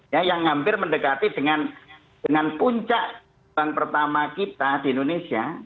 ya yang hampir mendekati dengan puncak bank pertama kita di indonesia